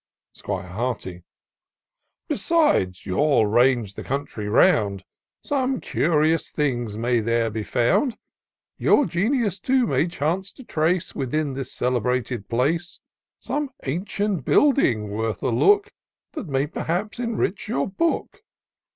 'Squire Hearty. " Besides, you'll range the country round. Some curious things may there be found : Your genius too may chance to trace, Within this celebrated place, 112 TOUR OF DOCTOR SYNTAX Some ancient building worth a look^ That may, perhaps, enrich your book.